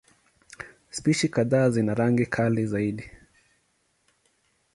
Spishi kadhaa zina rangi kali zaidi.